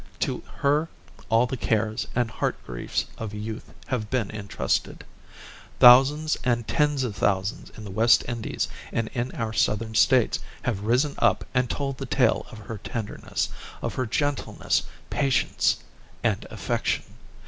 To her all the cares and heart griefs of youth have been intrusted. Thousands and tens of thousands in the West Indies and in our Southern States have risen up and told the tale of her tenderness, of her gentleness, patience, and affection.